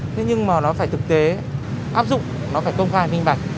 thế nhưng mà nó phải thực tế áp dụng nó phải công khai minh bạch